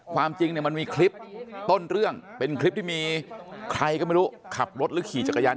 ความจริงเนี่ยมันมีคลิปต้นเรื่องเป็นคลิปที่มีใครก็ไม่รู้ขับรถหรือขี่จักรยาน